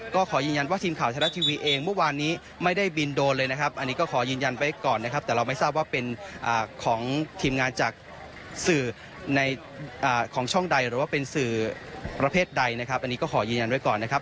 ก็ขอยืนยันว่าทีมข่าวไทยรัฐทีวีเองเมื่อวานนี้ไม่ได้บินโดนเลยนะครับอันนี้ก็ขอยืนยันไว้ก่อนนะครับแต่เราไม่ทราบว่าเป็นของทีมงานจากสื่อในของช่องใดหรือว่าเป็นสื่อประเภทใดนะครับอันนี้ก็ขอยืนยันไว้ก่อนนะครับ